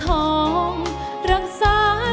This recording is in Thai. เพลงแรกของเจ้าเอ๋ง